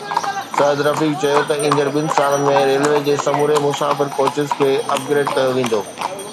سعد رفيق چيو ته ايندڙ ٻن سالن ۾ ريلوي جي سموري مسافر ڪوچز کي اپ گريڊ ڪيو ويندو